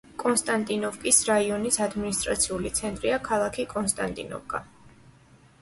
კონსტანტინოვკის რაიონის ადმინისტრაციული ცენტრია ქალაქი კონსტანტინოვკა.